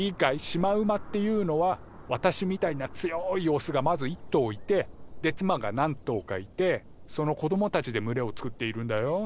シマウマっていうのは私みたいな強いオスがまず一頭いてで妻が何頭かいてその子どもたちで群れを作っているんだよ。